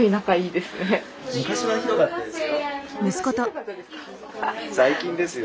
昔ひどかったんですか？